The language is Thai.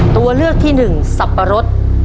ตัวเลือกที่หนึ่งสับปะรด